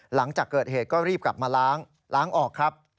หลังจากเกิดเหตุก็รีบกลับมาล้างล้างออกครับ